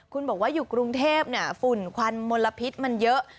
คุณบอกว่าอยู่กรุงเทพฝุ่นควันมลพิษมันเยอะ